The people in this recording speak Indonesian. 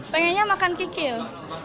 pengennya makan kikil